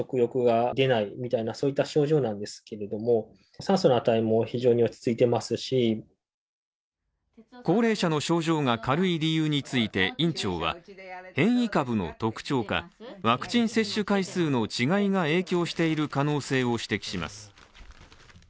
一方で、高齢者の症状については高齢者の症状が軽い理由について院長は変異株の特徴か、ワクチン接種回数の違いが影響している可能性を指摘します。